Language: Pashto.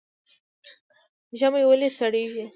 ژمی ولې سړیږي؟